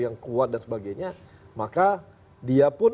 yang kuat dan sebagainya maka dia pun